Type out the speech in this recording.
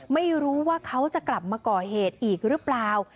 ไม่รู้ว่าเขาจะกลับมาก่อเหตุอีกหรือเปล่า